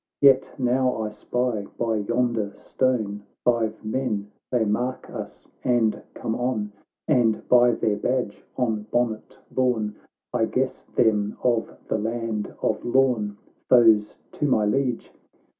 Yet now I spy, by yonder stone, Five men — they mark us, and come on ; And by their badge on bonnet borne, I guess them of the land of Lorn, Foes to my Liege."